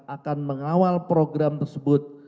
akan mengawal program tersebut